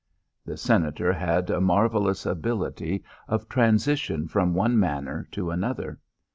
The Senator had a marvellous ability of transition from one manner to another.